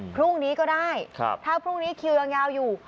พรุ่งนี้ก็ได้ถ้าพรุ่งนี้คิวยังยาวอยู่